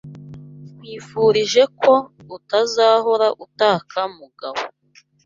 Nkwifurije ko utazahora utaka Mugabo.